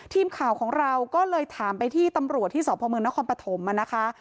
ทีมข่าวของเราก็เลยถามไปที่ตำรวจที่สพมนครปฐมนะคะ